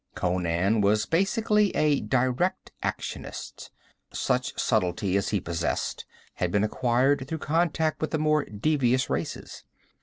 Conan was basically a direct actionist. Such subtlety as he possessed had been acquired through contact with the more devious races.